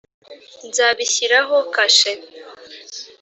nzabishyiraho kashe